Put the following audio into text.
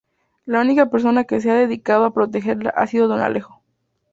La única persona que se ha dedicado a protegerla ha sido don Alejo.